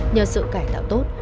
nhờ sự cải tạo tốt